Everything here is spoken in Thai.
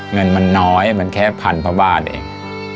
เงินมันน้อยมันแค่พันพระบาทเอง